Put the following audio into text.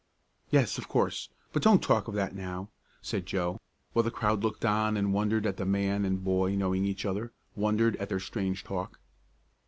"Yes, of course. But don't talk of that now," Joe said, while the crowd looked on and wondered at the man and boy knowing each other wondered at their strange talk.